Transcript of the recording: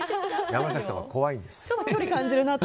山崎さんは怖いんです。